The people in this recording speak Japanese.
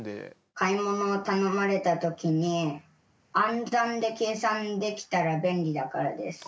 買い物を頼まれたときに、暗算で計算できたら便利だからです。